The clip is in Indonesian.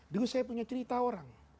dulu saya punya cerita orang